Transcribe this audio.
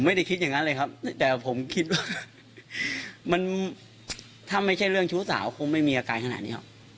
ไม่ได้คิดอย่างนั้นเลยครับแต่ผมคิดว่ามันถ้าไม่ใช่เรื่องชู้สาวคงไม่มีอาการขนาดนี้หรอก